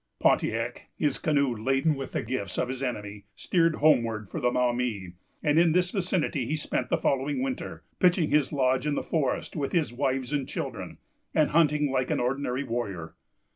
Pontiac, his canoe laden with the gifts of his enemy, steered homeward for the Maumee; and in this vicinity he spent the following winter, pitching his lodge in the forest with his wives and children, and hunting like an ordinary warrior.